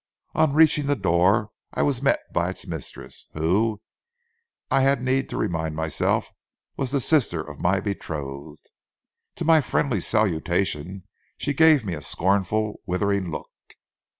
On reaching the door, I was met by its mistress, who, I had need to remind myself, was the sister of my betrothed. To my friendly salutation, she gave me a scornful, withering look.